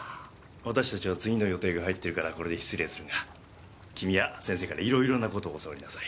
私達は次の予定が入っているからこれで失礼するが君は先生からいろいろな事を教わりなさい。